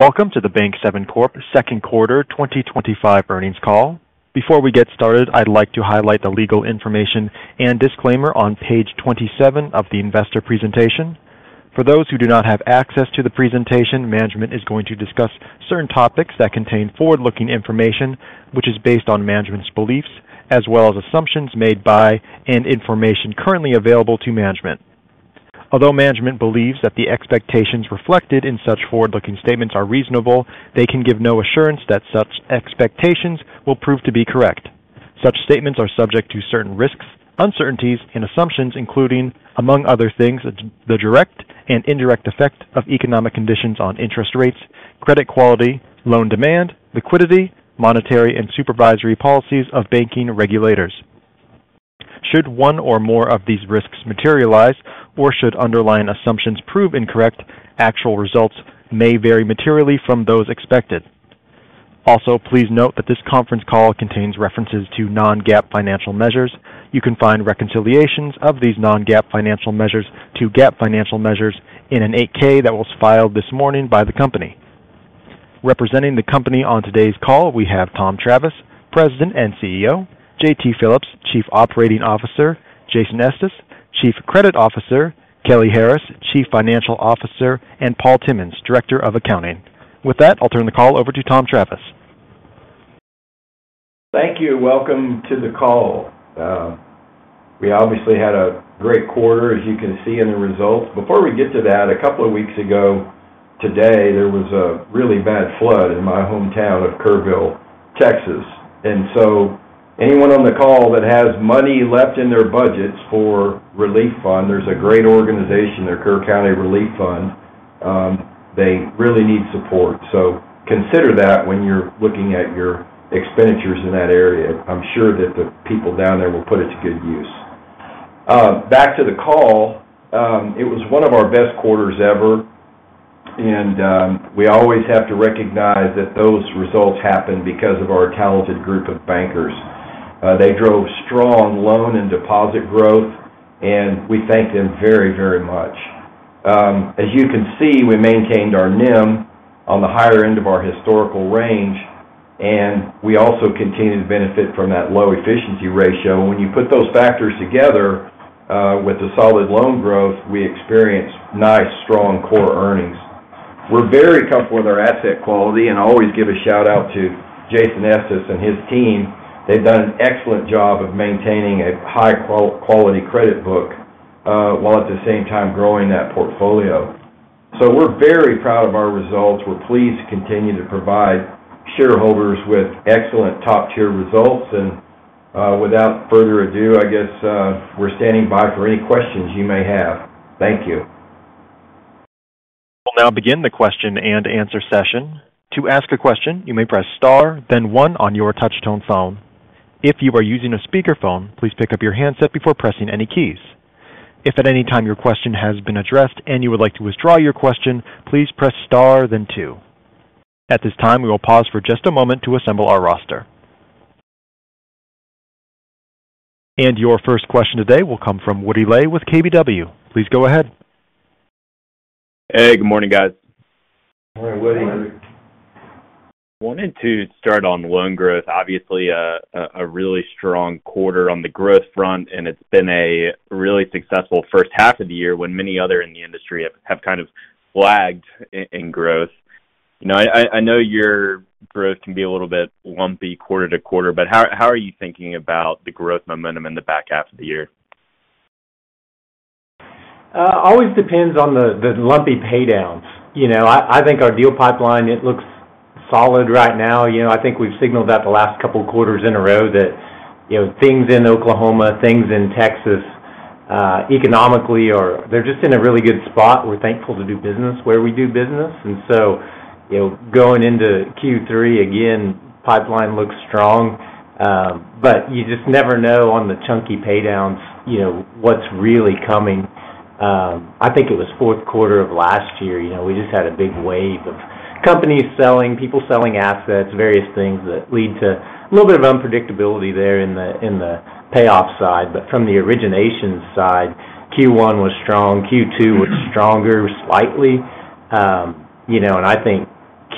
Welcome to the Bank7 Corp. Second Quarter 2025 Earnings Call. Before we get started, I'd like to highlight the legal information and disclaimer on page 27 of the investor presentation. For those who do not have access to the presentation, management is going to discuss certain topics that contain forward-looking information, which is based on management's beliefs, as well as assumptions made by and information currently available to management. Although management believes that the expectations reflected in such forward-looking statements are reasonable, they can give no assurance that such expectations will prove to be correct. Such statements are subject to certain risks, uncertainties, and assumptions, including, among other things, the direct and indirect effect of economic conditions on interest rates, credit quality, loan demand, liquidity, and monetary and supervisory policies of banking regulators. Should one or more of these risks materialize, or should underlying assumptions prove incorrect, actual results may vary materially from those expected. Also, please note that this conference call contains references to non-GAAP financial measures. You can find reconciliations of these non-GAAP financial measures to GAAP financial measures in an 8-K that was filed this morning by the company. Representing the company on today's call, we have Tom Travis, President and CEO, J.T. Phillips, Chief Operating Officer, Jason Estes, Chief Credit Officer, Kelly Harris, Chief Financial Officer, and Paul Timmons, Director of Accounting. With that, I'll turn the call over to Tom Travis. Thank you and welcome to the call. We obviously had a great quarter, as you can see in the results. Before we get to that, a couple of weeks ago today, there was a really bad flood in my hometown of Kerrville, Texas. Anyone on the call that has money left in their budgets for a relief fund, there's a great organization there, Kerr County Relief Fund. They really need support. Consider that when you're looking at your expenditures in that area. I'm sure that the people down there will put it to good use. Back to the call, it was one of our best quarters ever. We always have to recognize that those results happened because of our talented group of bankers. They drove strong loan and deposit growth, and we thank them very, very much. As you can see, we maintained our NIM on the higher end of our historical range, and we also continue to benefit from that low efficiency ratio. When you put those factors together with the solid loan growth, we experienced nice, strong core earnings. We're very comfortable with our asset quality and always give a shout out to Jason Estes and his team. They've done an excellent job of maintaining a high-quality credit book while at the same time growing that portfolio. We're very proud of our results. We're pleased to continue to provide shareholders with excellent top-tier results. Without further ado, I guess we're standing by for any questions you may have. Thank you. We'll now begin the question-and-answer session. To ask a question, you may press star, then one on your touch-tone phone. If you are using a speaker phone, please pick up your handset before pressing any keys. If at any time your question has been addressed and you would like to withdraw your question, please press star, then two. At this time, we will pause for just a moment to assemble our roster. Your first question today will come from Woody Lay with KBW. Please go ahead. Hey, good morning, guys. All right, Woody. How's it going? Wanted to start on loan growth. Obviously, a really strong quarter on the growth front, and it's been a really successful first half of the year when many others in the industry have kind of lagged in growth. I know your growth can be a little bit lumpy quarter to quarter, but how are you thinking about the growth momentum in the back half of the year? always depends on the lumpy paydown. I think our deal pipeline looks solid right now. I think we've signaled the last couple of quarters in a row that things in Oklahoma and things in Texas, economically, are just in a really good spot. We're thankful to do business where we do business. Going into Q3 again, the pipeline looks strong, but you just never know on the chunky paydowns, what's really coming. I think it was the fourth quarter of last year when we had a big wave of companies selling, people selling assets, various things that lead to a little bit of unpredictability there on the payoff side. From the origination side, Q1 was strong, Q2 was slightly stronger, and I think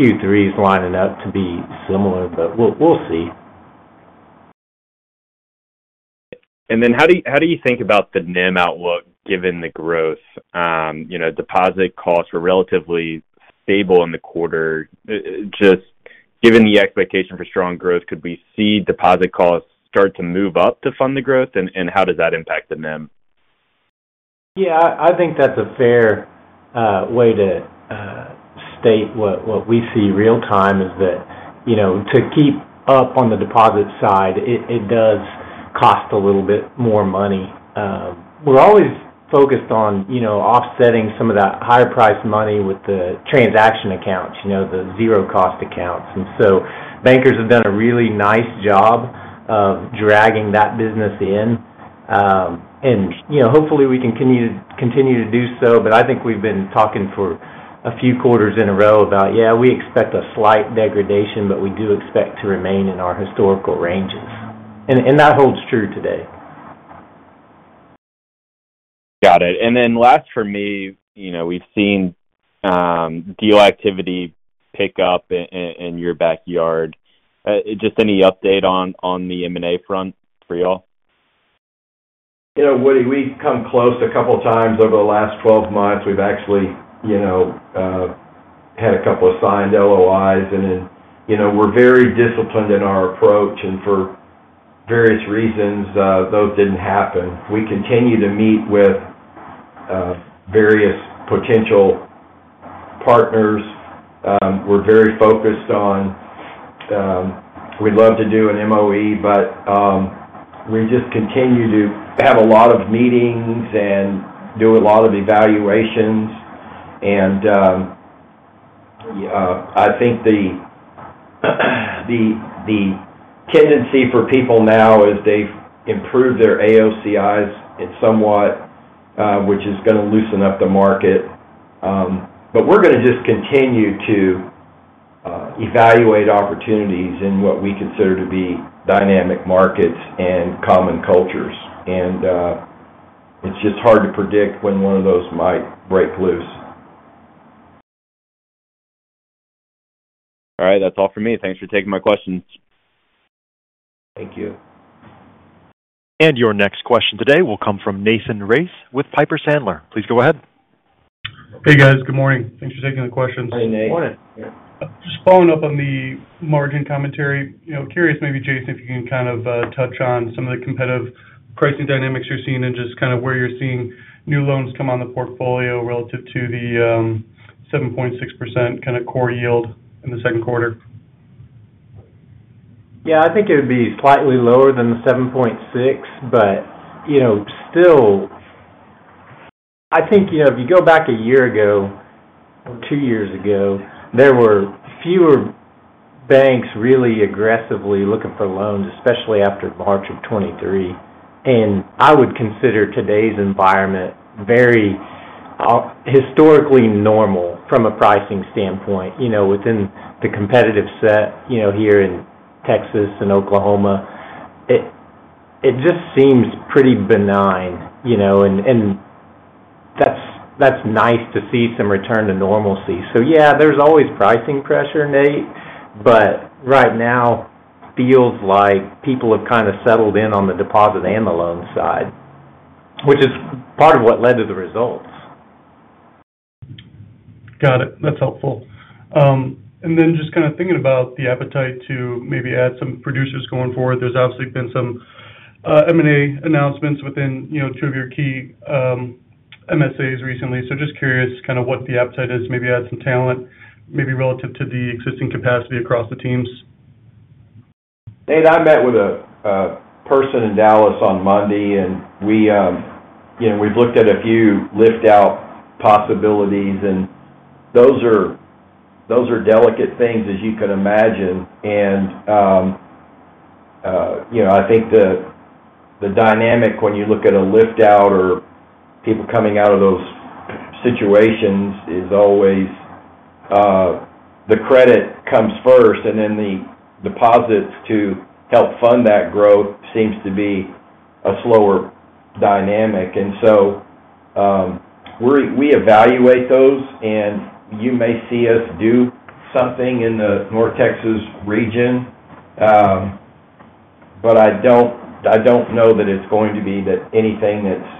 Q3 is lining up to be similar, but we'll see. How do you think about the NIM outlook given the growth? Deposit costs were relatively stable in the quarter. Just given the expectation for strong growth, could we see deposit costs start to move up to fund the growth? How does that impact the NIM? Yeah, I think that's a fair way to state what we see real-time is that, you know, to keep up on the deposit side, it does cost a little bit more money. We're always focused on offsetting some of that higher-priced money with the transaction accounts, you know, the zero-cost accounts. Bankers have done a really nice job of dragging that business in. Hopefully we can continue to do so. I think we've been talking for a few quarters in a row about, yeah, we expect a slight degradation, but we do expect to remain in our historical ranges. That holds true today. Got it. Last for me, we've seen deal activity pick up in your backyard. Just any update on the M&A front for y'all? You know, Woody, we've come close a couple of times over the last 12 months. We've actually had a couple of signed LOIs. We're very disciplined in our approach. For various reasons, those didn't happen. We continue to meet with various potential partners. We're very focused on, we'd love to do an MOE, but we just continue to have a lot of meetings and do a lot of evaluations. I think the tendency for people now is they've improved their AOCIs somewhat, which is going to loosen up the market. We're going to just continue to evaluate opportunities in what we consider to be dynamic markets and common cultures. It's just hard to predict when one of those might break loose. All right, that's all for me. Thanks for taking my questions. Thank you. Your next question today will come from Nathan Race with Piper Sandler. Please go ahead. Hey guys, good morning. Thanks for taking the questions. Howdy, Nate. I just followed up on the margin commentary. Curious, maybe, Jason, if you can kind of touch on some of the competitive pricing dynamics you're seeing and just kind of where you're seeing new loans come on the portfolio relative to the 7.6% kind of core yield in the second quarter. I think it would be slightly lower than the 7.6%, but still, if you go back a year ago, two years ago, there were fewer banks really aggressively looking for loans, especially after March of 2023. I would consider today's environment very historically normal from a pricing standpoint within the competitive set here in Texas and Oklahoma. It just seems pretty benign, and that's nice to see some return to normalcy. There's always pricing pressure, Nate, but right now it feels like people have kind of settled in on the deposit and the loan side, which is part of what led to the results. Got it. That's helpful. Just kind of thinking about the appetite to maybe add some producers going forward, there's obviously been some M&A announcements within two of your key MSAs recently. Just curious what the appetite is to maybe add some talent, maybe relative to the existing capacity across the teams. Nate, I met with a person in Dallas on Monday, and we've looked at a few lift-out possibilities. Those are delicate things, as you could imagine. I think the dynamic when you look at a lift-out or people coming out of those situations is always the credit comes first, and then the deposits to help fund that growth seems to be a slower dynamic. We evaluate those, and you may see us do something in the North Texas region, but I don't know that it's going to be anything that's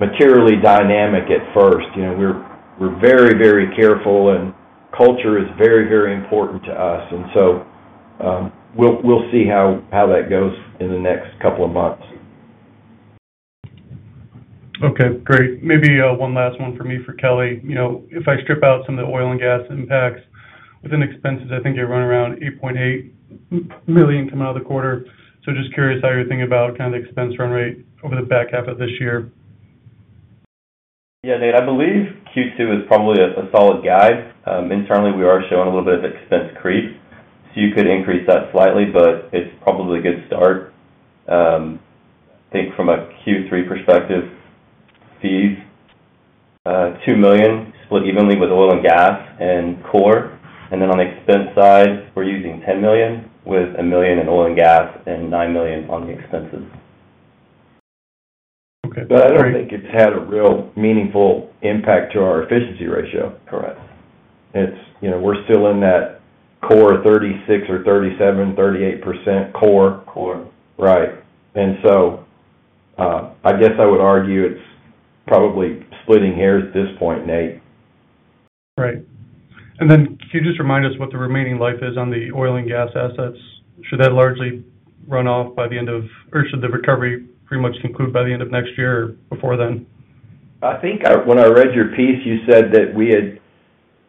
materially dynamic at first. We're very, very careful, and culture is very, very important to us. We'll see how that goes in the next couple of months. Okay, great. Maybe one last one for me for Kelly. If I strip out some of the oil and gas impacts within expenses, I think you're running around $8.8 million coming out of the quarter. Just curious how you're thinking about kind of the expense run rate over the back half of this year. Yeah, Nate, I believe Q2 is probably a solid guide. Internally, we are showing a little bit of expense creep, so you could increase that slightly, but it's probably a good start. I think from a Q3 perspective, fees, $2 million split evenly with oil and gas and core. On the expense side, we're using $10 million with $1 million in oil and gas and $9 million on the expenses. Okay. I don't think it's had a real meaningful impact to our efficiency ratio. Correct. We're still in that core 36%, or 37%, 38% core. Core. I guess I would argue it's probably splitting hairs at this point, Nate. Right. Could you just remind us what the remaining life is on the oil and gas assets? Should that largely run off by the end of, or should the recovery pretty much conclude by the end of next year or before then? I think when I read your piece, you said that we had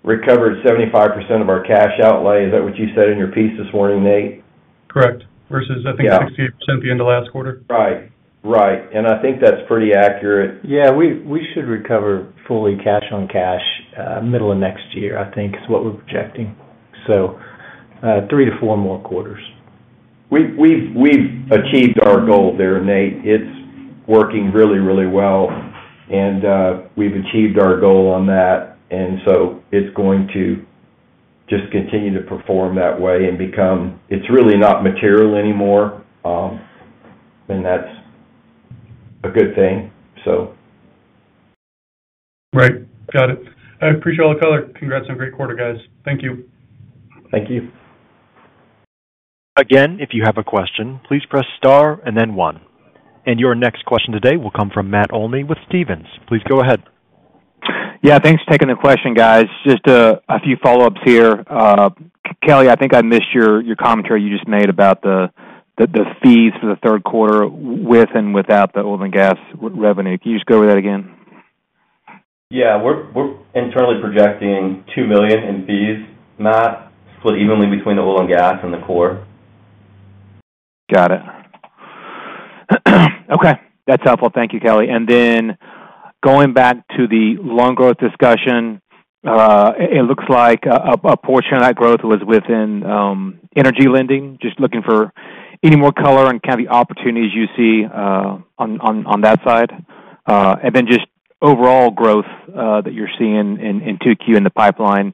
recovered 75% of our cash outlay. Is that what you said in your piece this morning, Nate? Correct. Versus, I think, 60% at the end of last quarter. Right. I think that's pretty accurate. We should recover fully cash on cash middle of next year, I think, is what we're projecting. Three to four more quarters. We've achieved our goal there, Nate. It's working really, really well. We've achieved our goal on that, so it's going to just continue to perform that way and become, it's really not material anymore. That's a good thing. Right. Got it. I appreciate all the color. Congrats on a great quarter, guys. Thank you. Thank you. Again, if you have a question, please press star and then one. Your next question today will come from Matt Olney with Stephens. Please go ahead. Yeah, thanks for taking the question, guys. Just a few follow-ups here. Kelly, I think I missed your commentary you just made about the fees for the third quarter with and without the oil and gas revenue. Can you just go over that again? Yeah, we're internally projecting $2 million in fees, math split evenly between the oil and gas and the core. Got it. Okay. That's helpful. Thank you, Kelly. Going back to the loan growth discussion, it looks like a portion of that growth was within energy lending. Just looking for any more color and kind of the opportunities you see on that side. Just overall growth that you're seeing in 2Q in the pipeline,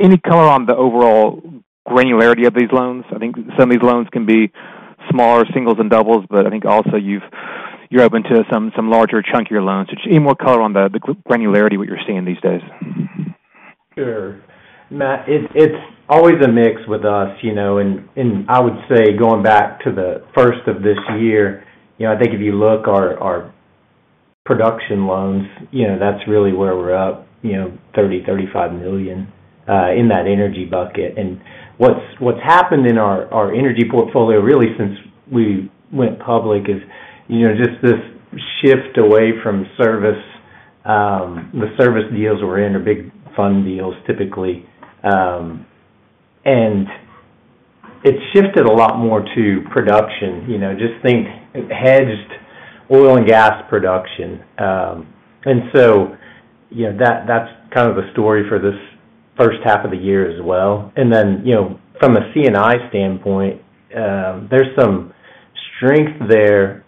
any color on the overall granularity of these loans? I think some of these loans can be smaller, singles and doubles, but I think also you're open to some larger chunkier loans. Just any more color on the granularity of what you're seeing these days. Sure. Matt, it's always a mix with us, you know, and I would say going back to the first of this year, you know, I think if you look at our production loans, you know, that's really where we're up, you know, $30 million, $35 million in that energy bucket. What's happened in our energy portfolio really since we went public is just this shift away from service. The service deals we're in are big fund deals typically. It's shifted a lot more to production, you know, just think hedged oil and gas production. That's kind of a story for this first half of the year as well. From a C&I standpoint, there's some strength there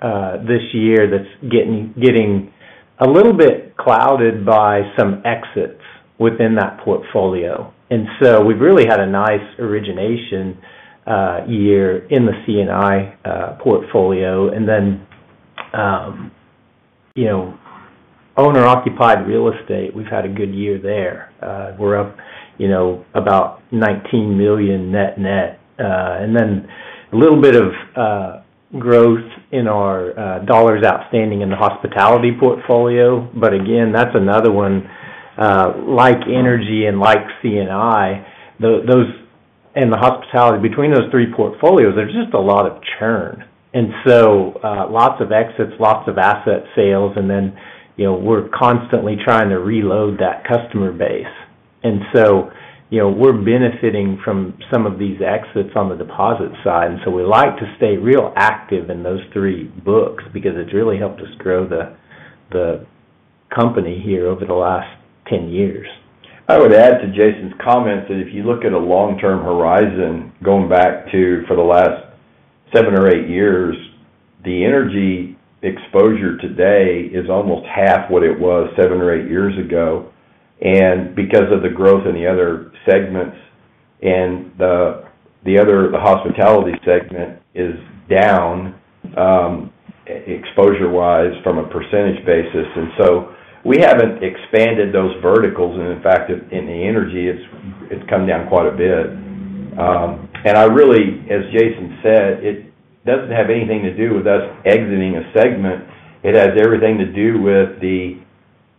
this year that's getting a little bit clouded by some exits within that portfolio. We've really had a nice origination year in the C&I portfolio. Owner-occupied real estate, we've had a good year there. We're up about $19 million net net. There's a little bit of growth in our dollars outstanding in the hospitality portfolio. Again, that's another one, like energy and like C&I, those and the hospitality, between those three portfolios, there's just a lot of churn. Lots of exits, lots of asset sales, and we're constantly trying to reload that customer base. We're benefiting from some of these exits on the deposit side. We like to stay real active in those three books because it's really helped us grow the company here over the last 10 years. I would add to Jason's comments that if you look at a long-term horizon, going back for the last seven or eight years, the energy exposure today is almost half what it was 7-8 years ago. Because of the growth in the other segments and the hospitality segment is down exposure-wise from a percentage basis. We haven't expanded those verticals. In fact, in the energy, it's come down quite a bit. As Jason said, it doesn't have anything to do with us exiting a segment. It has everything to do with the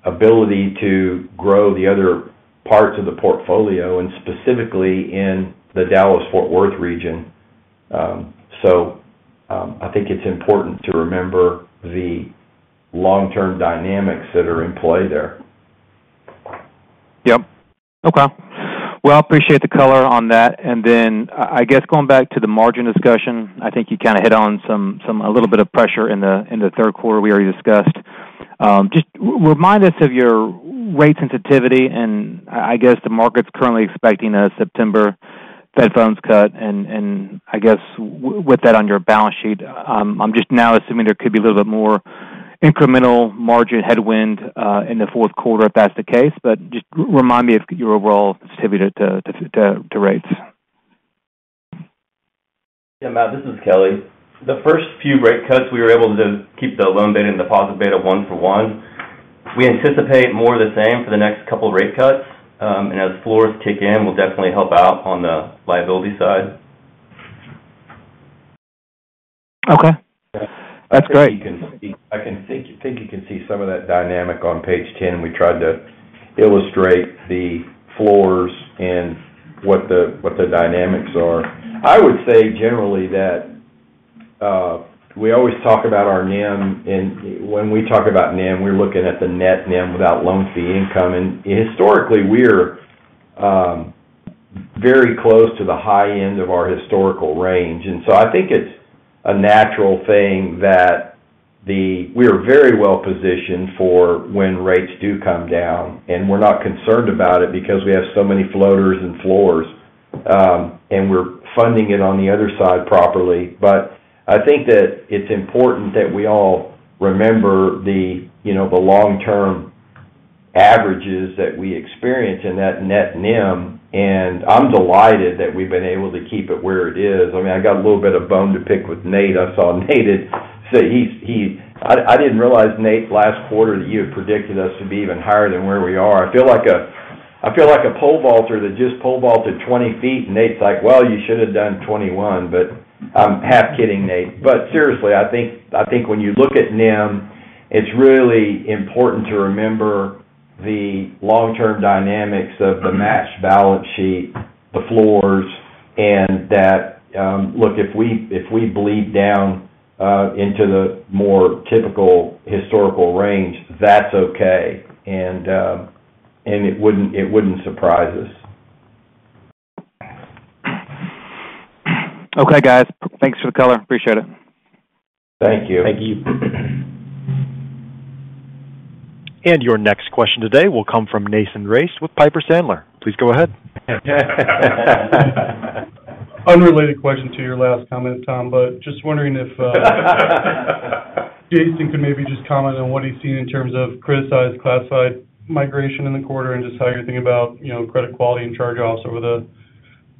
ability to grow the other parts of the portfolio and specifically in the Dallas-Fort Worth region. I think it's important to remember the long-term dynamics that are in play there. Okay. I appreciate the color on that. I guess going back to the margin discussion, I think you kind of hit on some, a little bit of pressure in the third quarter we already discussed. Just remind us of your rate sensitivity. I guess the market's currently expecting a September Fed Funds cut. With that on your balance sheet, I'm just now assuming there could be a little bit more incremental margin headwind in the fourth quarter if that's the case. Just remind me of your overall sensitivity to rates. Yeah, Matt, this is Kelly. The first few rate cuts, we were able to keep the loan beta and deposit beta one for one. We anticipate more of the same for the next couple of rate cuts. As floors kick in, we'll definitely help out on the liability side. Okay, that's great. I think you can see some of that dynamic on page 10, and we tried to illustrate the floors and what the dynamics are. I would say generally that we always talk about our NIM. When we talk about NIM, we're looking at the net NIM without loan fee income. Historically, we are very close to the high end of our historical range. I think it's a natural thing that we are very well positioned for when rates do come down. We're not concerned about it because we have so many floaters and floors, and we're funding it on the other side properly. I think that it's important that we all remember the long-term averages that we experience in that net NIM. I'm delighted that we've been able to keep it where it is. I got a little bit of bone to pick with Nate. I saw Nate say, I didn't realize, Nate, last quarter that you had predicted us to be even higher than where we are. I feel like a pole vaulter that just pole vaulted 20 feet, and Nate's like, you should have done 21. I'm half kidding, Nate. Seriously, I think when you look at NIM, it's really important to remember the long-term dynamics of the matched balance sheet, the floors, and that if we bleed down into the more typical historical range, that's okay. It wouldn't surprise us. Okay, guys, thanks for the color. Appreciate it. Thank you. Thank you. Your next question today will come from Nathan Race with Piper Sandler. Please go ahead. Unrelated question to your last comment, Tom, but just wondering if Jason could maybe just comment on what he's seen in terms of criticized classified migration in the quarter, and just how you think about, you know, credit quality and charge-offs over the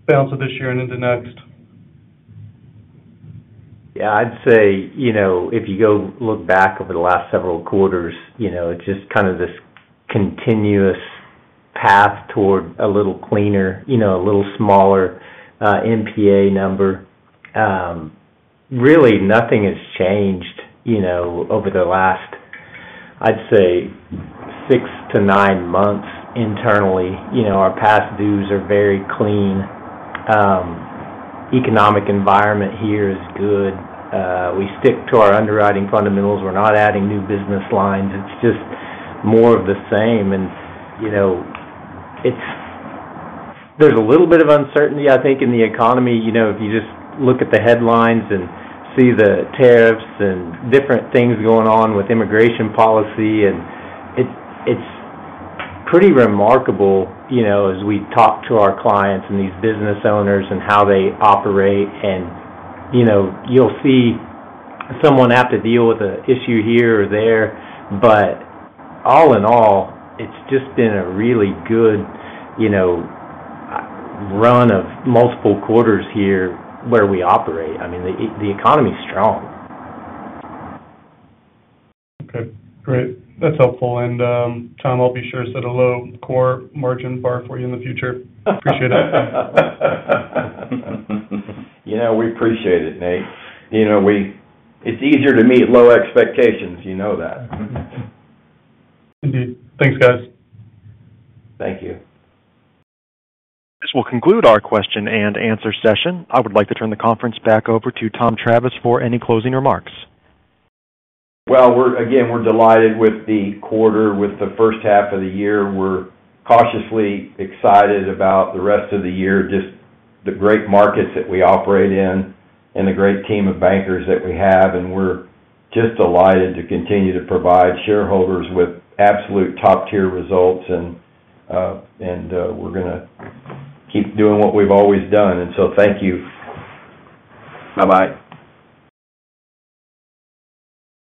balance of this year and into next. Yeah, I'd say if you go look back over the last several quarters, it's just kind of this continuous path toward a little cleaner, a little smaller MPA number. Really, nothing has changed over the last, I'd say, six to nine months internally. Our past dues are very clean. The economic environment here is good. We stick to our underwriting fundamentals. We're not adding new business lines. It's just more of the same. There's a little bit of uncertainty, I think, in the economy. If you just look at the headlines and see the tariffs and different things going on with immigration policy, it's pretty remarkable as we talk to our clients and these business owners and how they operate. You'll see someone have to deal with an issue here or there. All in all, it's just been a really good run of multiple quarters here where we operate. I mean, the economy's strong. Okay, great. That's helpful. Tom, I'll be sure to set a low core margin bar for you in the future. Appreciate it. We appreciate it, Nate. It's easier to meet low expectations, you know that. Indeed. Thanks, guys. Thank you. This will conclude our question-and-answer session. I would like to turn the conference back over to Tom Travis for any closing remarks. We are delighted with the quarter, with the first half of the year. We are cautiously excited about the rest of the year, just the great markets that we operate in and the great team of bankers that we have. We are just delighted to continue to provide shareholders with absolute top-tier results, and we are going to keep doing what we've always done. Thank you. Bye-bye.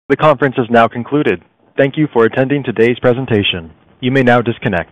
The conference is now concluded. Thank you for attending today's presentation. You may now disconnect.